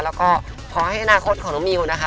แล้วก็ขอให้อนาคตของน้องมิวนะคะ